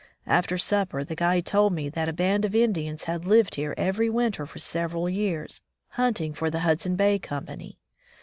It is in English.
After supper, the guide told me that a band of Indians had lived here every winter for several years, hunting for the Hudson Bay Company.